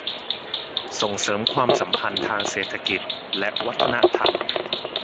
ส่งเสริมความสัมพันธ์ทางเศรษฐกิจและวัฒนธรรม